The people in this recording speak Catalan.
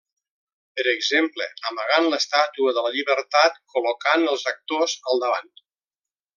Per exemple, amagant l'Estàtua de la Llibertat col·locant els actors al davant.